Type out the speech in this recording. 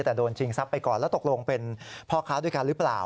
แต่โดนชิงทรัพย์ไปก่อนแล้วตกลงเป็นพ่อค้าด้วยกันหรือเปล่า